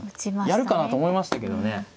やるかなと思いましたけどね。